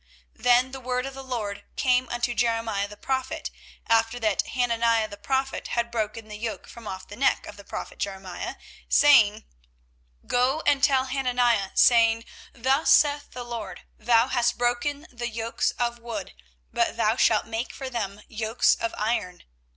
24:028:012 Then the word of the LORD came unto Jeremiah the prophet, after that Hananiah the prophet had broken the yoke from off the neck of the prophet Jeremiah, saying, 24:028:013 Go and tell Hananiah, saying, Thus saith the LORD; Thou hast broken the yokes of wood; but thou shalt make for them yokes of iron.